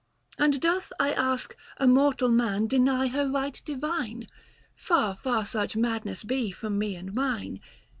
And doth, I ask, a mortal man deny 125 Her right divine ? far, far such madness be From me and mine.